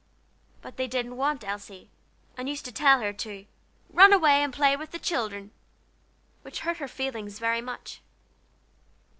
But they didn't want Elsie, and used to tell her to "run away and play with the children," which hurt her feelings very much.